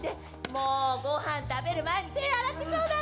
もうごはん食べる前に手洗ってちょうだい。